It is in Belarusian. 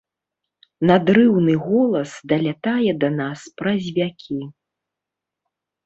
Надрыўны голас далятае да нас праз вякі.